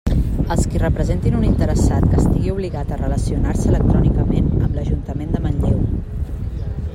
Els qui representin un interessat que estigui obligat a relacionar-se electrònicament amb l'Ajuntament de Manlleu.